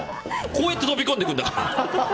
こうやって飛び込んでいくんだよ。